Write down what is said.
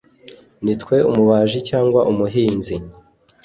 nitwe umubaji cyangwa umuhinzi